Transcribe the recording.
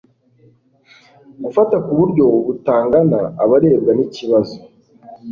gufata ku buryo butangana abarebwa n ikibazo